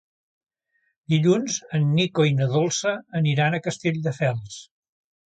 Dilluns en Nico i na Dolça aniran a Castelldefels.